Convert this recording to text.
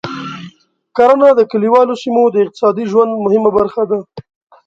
کرنه د کليوالو سیمو د اقتصادي ژوند مهمه برخه ده.